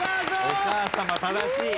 お母さま正しい！